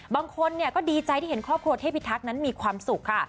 บางคนก็ดีใจที่เห็นครอบครัวเทพิทักษ์นั้นมีความสุขค่ะ